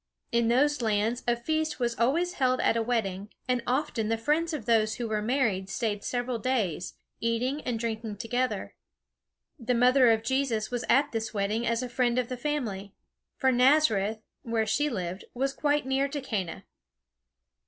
In those lands a feast was always held at a wedding, and often the friends of those who were married stayed several days, eating and drinking together. The mother of Jesus was at this wedding as a friend of the family; for Nazareth, where she lived, was quite near to Cana.